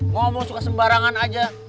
ngomong suka sembarangan aja